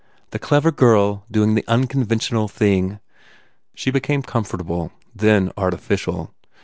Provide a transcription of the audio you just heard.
The clever girl doing the unconventional thing." She became comfortable, then artificial.